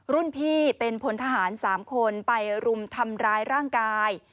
รุ่นพี่เป็นพลทหาร๓คนไปรุมทำร้ายร่างกาย